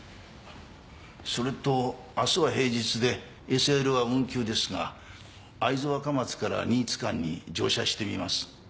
それと明日は平日でＳＬは運休ですが会津若松から新津間に乗車してみます。